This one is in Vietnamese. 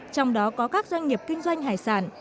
trong đó có các doanh nghiệp kinh doanh hải sản